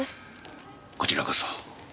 こちらこそ。